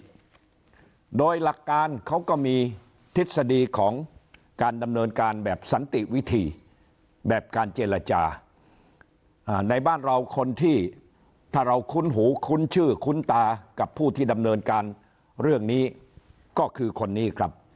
ด้วยโดยหลักการเขาก็มีทฤษฎีของการดำเนินการแบบสันติวิธีแบบการเจรจาในบ้านเราคนที่ถ้าเราคุ้นหูคุ้นชื่อคุ้นตากับผู้ที่ดำเนินการเรื่องนี้ก็คือคนนี้ครับ